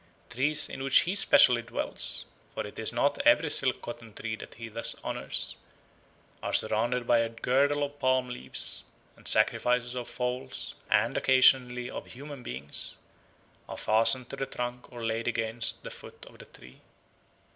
Trees in which he specially dwells for it is not every silk cotton tree that he thus honours are surrounded by a girdle of palm leaves; and sacrifices of fowls, and occasionally of human beings, are fastened to the trunk or laid against the foot of the tree.